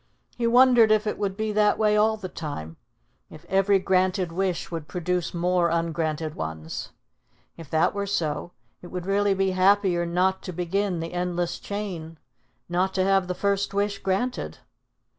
He wondered if it would be that way all the time, if every granted wish would produce more ungranted ones. If that were so, it would really be happier not to begin the endless chain, not to have the first wish granted.